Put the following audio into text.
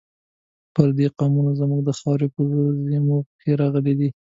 پردي قوتونه زموږ د خاورې په زیرمو پسې راغلي دي.